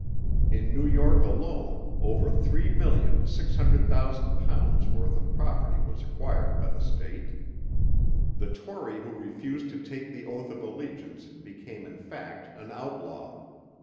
In New York alone over 3,600,000 pounds worth of property was acquired by the state. The Tory who refused to take the oath of allegiance became in fact an outlaw.